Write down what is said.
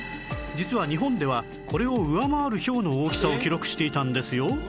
実は日本ではこれを上回るひょうの大きさを記録していたんですよ